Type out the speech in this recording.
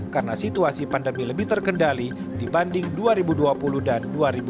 karena situasi pandemi lebih terkendali dibanding dua ribu dua puluh dan dua ribu dua puluh satu